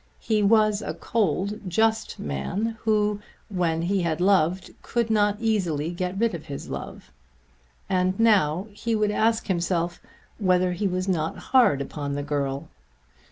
He was a cold, just man who, when he had loved, could not easily get rid of his love, and now he would ask himself whether he was not hard upon the girl.